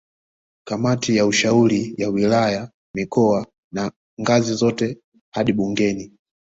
Kamati ya ushauri ya wilaya mikoa na ngazi zote hadi bungeni